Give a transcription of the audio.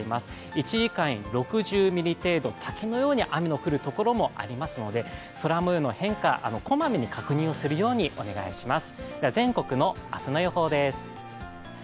１時間に６０ミリ程度、滝のように雨の降る所もありますので空もようの変化、小まめに確認するようにお願いします。